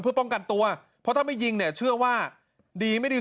เพื่อป้องกันตัวเพราะถ้าไม่ยิงเนี่ยเชื่อว่าดีไม่ดี